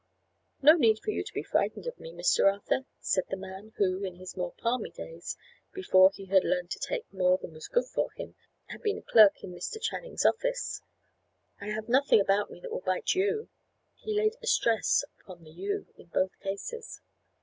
"No need for you to be frightened of me, Mr. Arthur," said the man, who, in his more palmy days, before he had learnt to take more than was good for him, had been a clerk in Mr. Channing's office. "I have nothing about me that will bite you." He laid a stress upon the "you" in both cases.